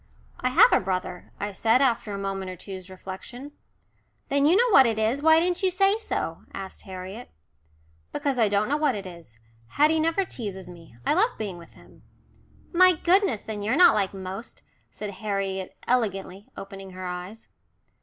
"I have a brother," I said after a moment or two's reflection. "Then you know what it is. Why didn't you say so?" asked Harriet. "Because I don't know what it is. Haddie never teases me. I love being with him." "My goodness! Then you're not like most," said Harriet elegantly, opening her eyes.